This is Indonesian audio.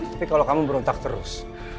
tapi kalau kamu berontak terus